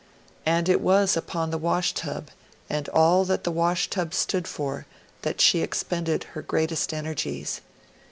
And it was upon the wash tub, and all that the wash tub stood for, that she expended her greatest energies.